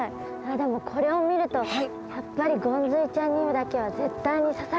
でもこれを見るとやっぱりゴンズイちゃんにだけは絶対に刺されたくないです。